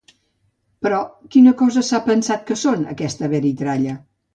Però quina cosa s'han pensat que són, aquesta belitralla?